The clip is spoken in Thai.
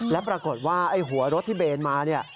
และปรากฏว่าหัวรถที่เบนมา